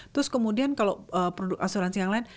terus kemudian kalau produk asuransi yang lain